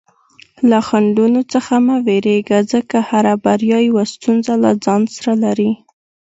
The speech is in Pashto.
له خنډونو څخه مه ویریږه، ځکه هره بریا یوه ستونزه له ځان سره لري.